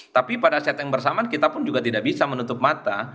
tapi pada set yang bersamaan kita pun juga tidak bisa menutup mata